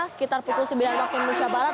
sekitar pukul sembilan waktu indonesia barat